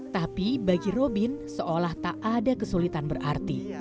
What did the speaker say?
tapi bagi robin seolah tak ada kesulitan berarti